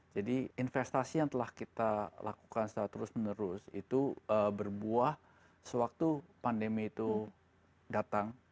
jadi investasi yang telah kita lakukan setelah terus menerus itu berbuah sewaktu pandemi itu datang